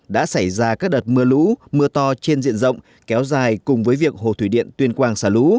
đã xảy ra các đợt mưa lũ mưa to trên diện rộng kéo dài cùng với việc hồ thủy điện tuyên quang xả lũ